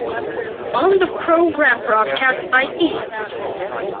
On the programme broadcast by E!